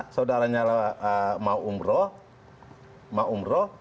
saudara nyala mau umroh